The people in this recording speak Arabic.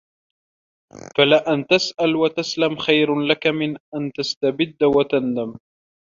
فَلَأَنْ تَسْأَلَ وَتَسْلَمَ خَيْرٌ لَك مِنْ أَنْ تَسْتَبِدَّ وَتَنْدَمَ